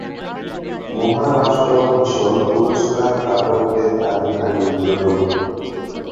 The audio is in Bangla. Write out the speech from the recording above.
মহারাষ্ট্র ভূষণ পুরস্কার প্রাপকদের তালিকা নিম্নরূপঃ